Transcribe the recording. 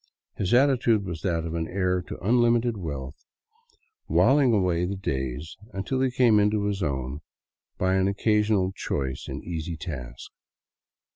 His attitude was that of an heir to unlimited wealth whiling away the days until he came into his own by an occasional choice and easy task.